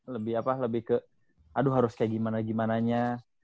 lebih ke aduh harus kayak gimana gimananya